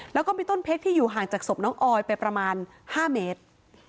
แล้วก็มีต้นเพชรที่อยู่ห่างจากศพน้องออยไปประมาณ๕เมตร